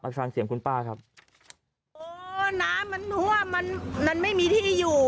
ฟังเสียงคุณป้าครับโอ้น้ำมันท่วมมันมันไม่มีที่อยู่